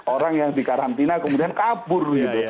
orang yang dikarantina kemudian kabur gitu